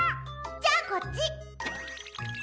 じゃあこっち！